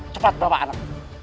cepat bawa anak